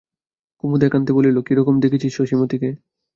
কুমুদ একান্তে বলিল, কীরকম দেখছিস শশী মতিকে?